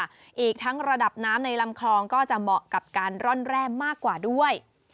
อีกทั้งระดับน้ำในลำคลองก็จะเหมาะกับการร่อนแร่มากกว่าด้วย